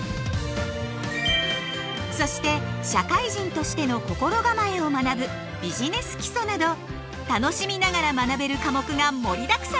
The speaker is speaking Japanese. そして社会人としての心構えを学ぶ「ビジネス基礎」など楽しみながら学べる科目が盛りだくさんです！